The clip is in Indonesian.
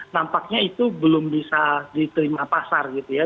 nampaknya itu belum bisa diterima pasar gitu ya